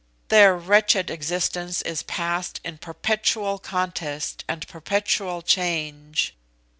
Their wretched existence is passed in perpetual contest and perpetual change.